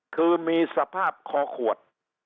คือมีสภาพคอขวด